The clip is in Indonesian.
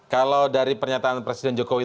kalau dari pernyataan presiden jokowi